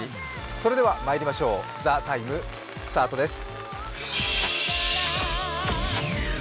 それではまいりましょう「ＴＨＥＴＩＭＥ，」スタートです。